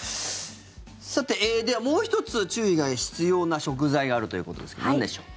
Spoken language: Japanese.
ではもう１つ注意が必要な食材があるということですけどなんでしょう。